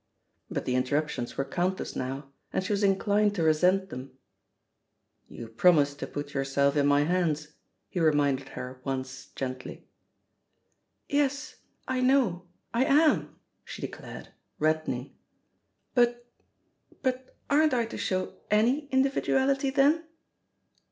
But the interruptions were countless now, and she was inclined to resent them. "You promised to put yourself in my hands,'* he reminded her once gently. THE POSITION OF PEGGY HARPER 248 "Yes — ^I know, I amf* she declared, redden ing. "But — ^but aren't I to show any individ uality, then?"